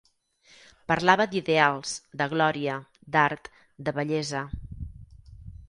Parlava d'ideals, de gloria, d'art, de bellesa